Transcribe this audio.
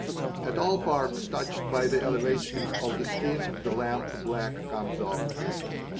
At all parts touched by the elevations of the skin the lamp ack comes off.